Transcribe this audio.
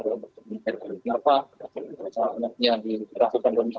mengapa maknanya dilakukan remes llian